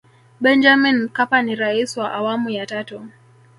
benjamin mkapa ni rais wa awamu ya tatu